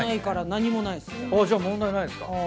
じゃあ問題ないっすか。